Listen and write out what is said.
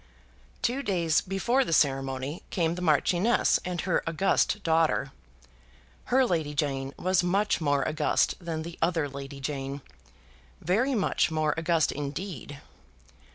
Two days before the ceremony came the Marchioness and her august daughter. Her Lady Jane was much more august than the other Lady Jane; very much more august indeed.